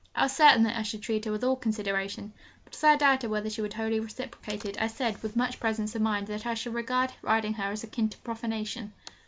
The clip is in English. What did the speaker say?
I was certain that I should treat her with all consideration; but as I doubted whether she would wholly reciprocate it, I said with much presence of mind, that I should regard riding her as akin to profanation.